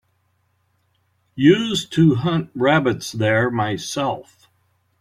Used to hunt rabbits there myself.